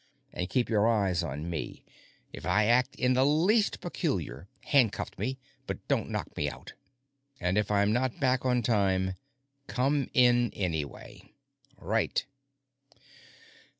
And keep your eyes on me; if I act in the least peculiar, handcuff me but don't knock me out. "And if I'm not back on time, come in anyway." "Right."